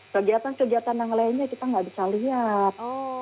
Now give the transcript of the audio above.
jadi kegiatan kegiatan yang lainnya kita nggak bisa lihat